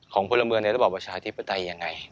ของคนละเมืองในระบบประชาธิปไตยอย่างไง